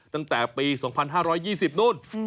ตั้งแต่ปี๒๕๒๐นู่น